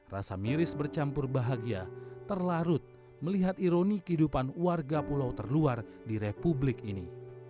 rasa miris bercampur bahagia terlarut melihat ironi kehidupan warga pulau terluar di republik ini